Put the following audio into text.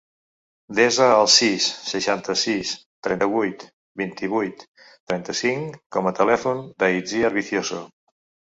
Desa el sis, seixanta-sis, trenta-vuit, vint-i-vuit, trenta-cinc com a telèfon de l'Itziar Vicioso.